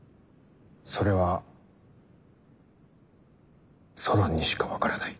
それはソロンにしか分からない。